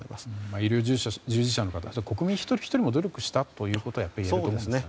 医療従事者の方は国民一人ひとりが努力したということがいえるということですかね。